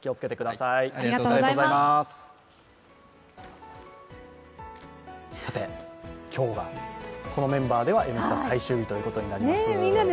さて、今日がこのメンバーでは「Ｎスタ」最終日となります。